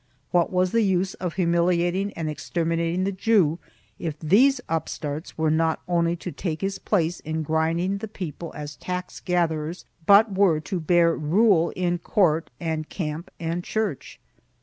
What was the use of humiliating and exterminating the Jew if these upstarts were not only to take his place in grinding the people as tax gatherers but were to bear rule in court and camp and church?